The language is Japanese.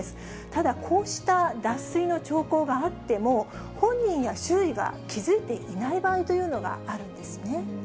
ただこうした脱水の兆候があっても、本人や周囲が気付いていない場合というのがあるんですね。